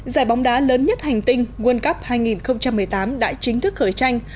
giải bóng đá lớn nhất hành tinh world cup hai nghìn một mươi tám đã chính thức khởi tranh